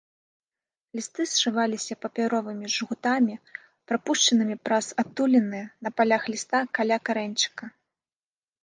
Лісты сшываліся папяровымі жгутамі, прапушчанымі праз адтуліны на палях ліста каля карэньчыка.